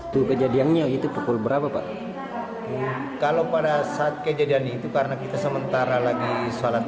tuh kejadiannya itu pukul berapa pak kalau pada saat kejadian itu karena kita sementara lagi sholat